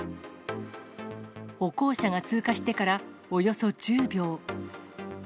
歩行者が通過してからおよそ１０秒。